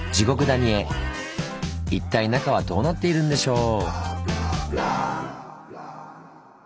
一体中はどうなっているんでしょう？